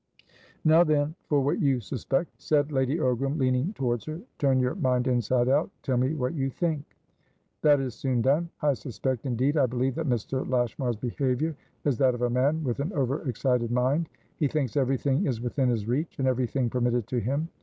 "Now, then, for what you suspect," said Lady Ogram, leaning towards her. "Turn your mind inside out. Tell me what you think!" "That is soon done. I suspectindeed, I believe that Mr. Lashmar's behaviour is that of a man with an over excited mind. He thinks everything is within his reach, and everything permitted to him.